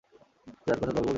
যার কথা তোমাকে বলেছি।